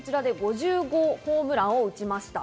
５０号ホームランを打ちました。